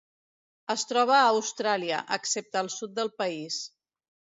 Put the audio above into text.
Es troba a Austràlia, excepte al sud del país.